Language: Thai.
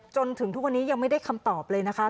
จนถึงทุกวันนี้ยังไม่ได้คำตอบเลยนะคะ